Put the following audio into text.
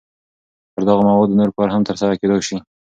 پر دغو موادو نور کار هم تر سره کېدای شي.